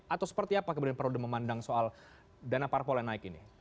atau seperti apa kemudian perludem memandang soal dana parpol yang naik ini